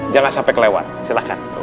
jangan sampai kelewat silahkan